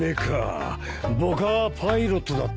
僕はパイロットだったな。